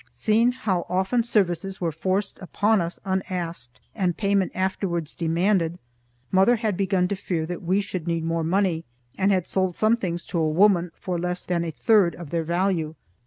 Seeing how often services were forced upon us unasked and payment afterwards demanded, mother had begun to fear that we should need more money, and had sold some things to a woman for less than a third of their value.